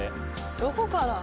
どこから？